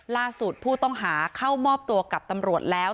ล่าสุดผู้ต้องหาเข้ามอบตัวกับตำรวจแล้ว